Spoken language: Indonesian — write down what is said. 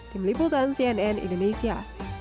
tim liputan cnn indonesia